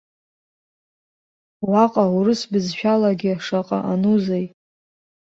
Уаҟа урыс бызшәалагьы шаҟа анузеи!